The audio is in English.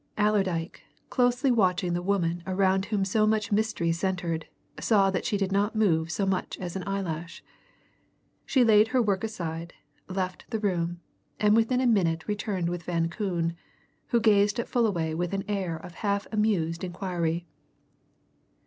Allerdyke, closely watching the woman around whom so much mystery centred, saw that she did not move so much as an eyelash. She laid her work aside, left the room, and within a minute returned with Van Koon, who gazed at Fullaway with an air of half amused inquiry.